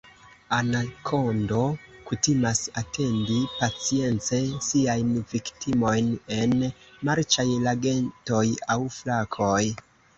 Anakondo kutimas atendi pacience siajn viktimojn en marĉaj lagetoj aŭ flakoj.